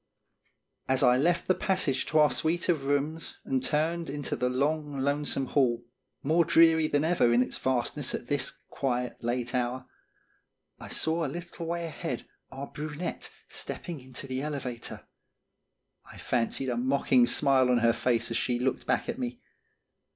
226 & Sroorn Statement. As I left the passage to our suite of rooms and turned into the long, lonesome hall, more dreary than ever in its vastness at this quiet, late hour, I saw a little way ahead our bru nette stepping into the elevator. I fancied a mocking smile on her face as she looked back at me.